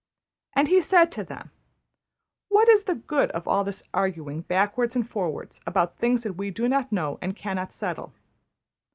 And he said to them: ``What is the good of all this arguing backwards and forwards about things that we do not know and cannot settle?